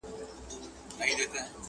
دې ربات ته بې اختیاره یم راغلی.!